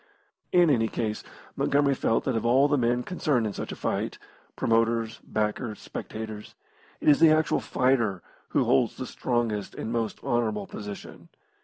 In any case, Montgomery felt that of all the men concerned in such a fight promoters, backers, spectators it is the actual fighter who holds the strongest and most honourable position.